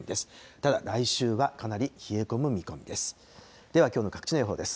ただ来週は、かなり冷え込む見込みです。